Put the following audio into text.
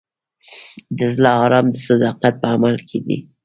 د زړه ارام د صداقت په عمل کې دی.